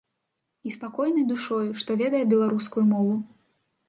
І спакойны душою, што ведае беларускую мову.